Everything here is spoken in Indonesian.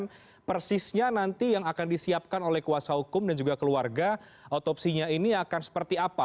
dan persisnya nanti yang akan disiapkan oleh kuasa hukum dan juga keluarga otopsinya ini akan seperti apa